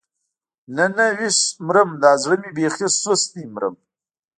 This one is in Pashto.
نه نه ويح مرم دا زړه مې بېخي سست دی مرم.